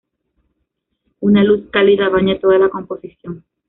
Una luz cálida baña toda la composición.